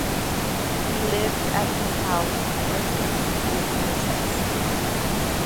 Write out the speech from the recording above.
He lived at his house "Foresters" in Middlesex.